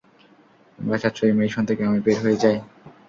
তোমরা চাচ্ছো এই মিশন থেকে আমি বের হয়ে যাই?